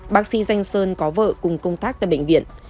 bác sĩ danh sơn có vợ cùng công tác tại bệnh viện